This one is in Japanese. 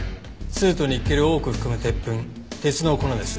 スズとニッケルを多く含む鉄粉鉄の粉です。